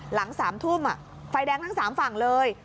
หลัง๓ทุ่มไฟแดงทั้ง๓ฝั่งเลย